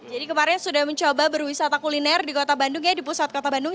jadi kemarin sudah mencoba berwisata kuliner di kota bandung ya di pusat kota bandung